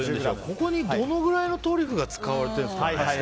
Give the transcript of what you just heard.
ここにどのくらいのトリュフが使われてるんですかね。